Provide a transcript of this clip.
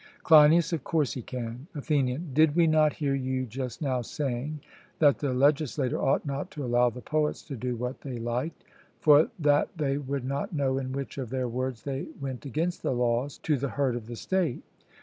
CLEINIAS: Of course he can. ATHENIAN: 'Did we not hear you just now saying, that the legislator ought not to allow the poets to do what they liked? For that they would not know in which of their words they went against the laws, to the hurt of the state.'